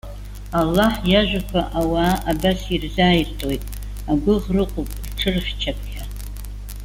Аллаҳ иажәақәа ауаа абас ирзааиртуеит. Агәыӷра ыҟоуп рҽырыхьчап ҳәа.